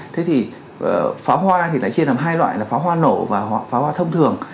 thế thì pháo hoa thì lại chia làm hai loại là pháo hoa nổ và pháo hoa thông thường